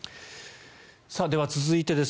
では、続いてです。